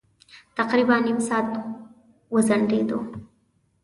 تقريباً نيم ساعت وځنډېدو.